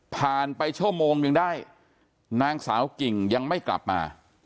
ไปชั่วโมงนึงได้นางสาวกิ่งยังไม่กลับมา